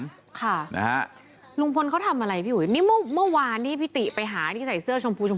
ค่ะนะฮะลุงพลเขาทำอะไรพี่อุ๋ยนี่เมื่อวานที่พี่ติไปหาที่ใส่เสื้อชมพูชม